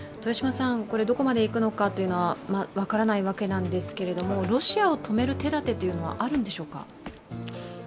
どこまでいくのかというのは分からないわけですけれども、ロシアを止める手だてはあるんでしょうか？